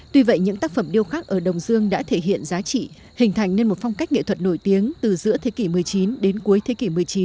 tuy vậy những tác phẩm điêu khắc ở đồng dương đã thể hiện giá trị hình thành nên một phong cách nghệ thuật nổi tiếng từ giữa thế kỷ một mươi chín đến cuối thế kỷ một mươi chín